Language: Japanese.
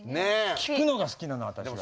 聴くのが好きなの私は。